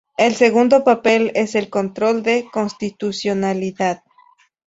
El segundo papel es el "control de constitucionalidad".